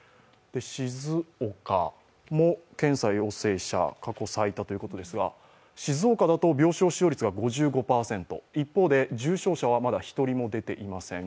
静岡も検査陽性者、過去最多ということですが静岡だと病床使用率が５５％一方で重症者はまだ１人も出ていません。